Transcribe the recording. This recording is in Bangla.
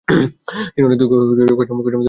তিনি অনেক দুঃখ-কষ্টের মধ্যে জীবন যাপন করেন।